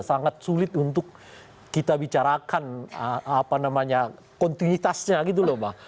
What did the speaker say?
sangat sulit untuk kita bicarakan apa namanya kontinuitasnya gitu loh pak